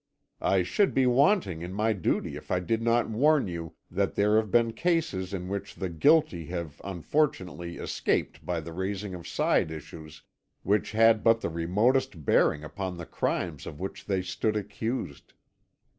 I should be wanting in my duty if I did not warn you that there have been cases in which the guilty have unfortunately escaped by the raising of side issues which had but the remotest bearing upon the crimes of which they stood accused.